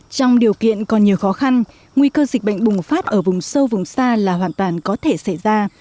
trong điều kiện còn nhiều khó khăn nguy cơ dịch bệnh bùng phát ở vùng sâu vùng xa là hoàn toàn có thể xảy ra